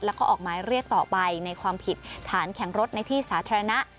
แล้วก็ออกหมายเรียกต่อไปในความผิดฐานแข่งรถในที่สาธารณะ